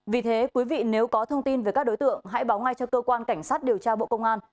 vì thế quý vị nếu có thông tin về các đối tượng hãy báo ngay cho cơ quan cảnh sát điều tra bộ công an